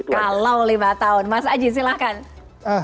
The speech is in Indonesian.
kalau lima tahun mas aji silahkan